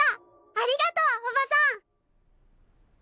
ありがとうおばさん！